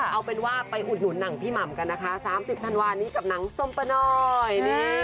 เอาเป็นว่าไปอุดหนุนหนังพี่หม่ำกันนะคะ๓๐ธันวานี้กับหนังส้มปะหน่อย